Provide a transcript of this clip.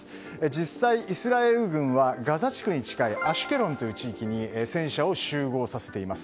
実際イスラエル軍はガザ地区に近いアシュケロンという地区に戦車を集合させています。